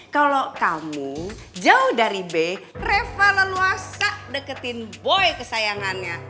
kalau kamu jauh dari b reva leluasa deketin boy kesayangannya